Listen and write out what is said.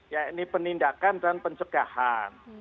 ya ini penindakan dan pencegahan